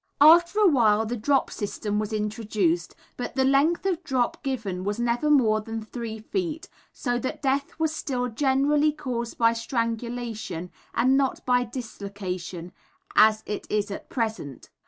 After a while the drop system was introduced, but the length of drop given was never more than three feet, so that death was still generally caused by strangulation, and not by dislocation, as it is at present.